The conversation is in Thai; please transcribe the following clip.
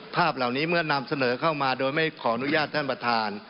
ภาพเหล่านี้เมื่อนำเสนอเข้ามาโดยไม่ขออนุญาตท่านประธาน